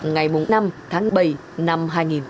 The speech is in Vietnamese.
ngày năm tháng bảy năm hai nghìn hai mươi hai